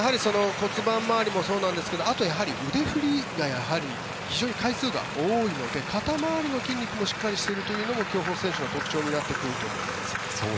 骨盤回りもそうなんですがあとは腕振りが非常に回数が多いので肩回りの筋肉もしっかりしているというのも競歩選手の特徴になってきます。